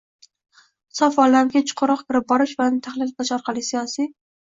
sof olamiga chuqurroq kirib borish va uni tahlil qilish orqali siyosiy